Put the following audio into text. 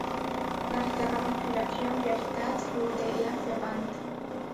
Nach der Kapitulation der Stadt wurde er verbannt.